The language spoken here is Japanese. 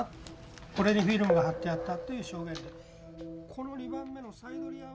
これにフィルムが貼ってあったという証言。